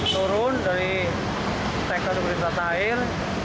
turun dari teka teka air